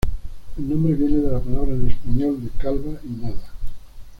El nombre viene de las palabra en español de "Calva y Nada".